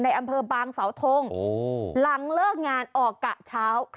ในอำเพิ่มบางเสาห์ทงหลังเลิกงานออกกระเช้า